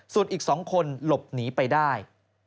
ส่วนอีก๒คนหลบหนีไปได้